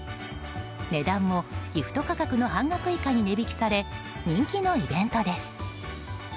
値段も、ギフト価格の半額以下に値引きされ人気のイベントです。